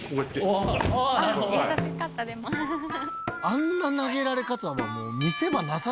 あんな投げられ方はもう。